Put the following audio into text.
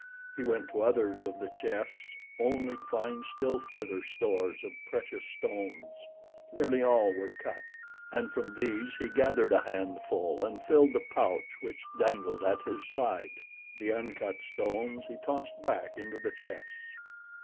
He went to others of the chests, only to find still further stores of precious stones. Nearly all were cut, and from these he gathered a handful and filled the pouch which dangled at his side—the uncut stones he tossed back into the chests.